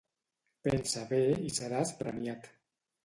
Pensa bé i seràs premiat.